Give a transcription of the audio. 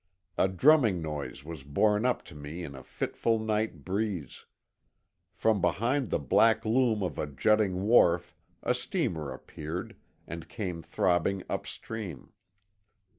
A drumming noise was borne up to me on a fitful night breeze. From behind the black loom of a jutting wharf a steamer appeared, and came throbbing upstream.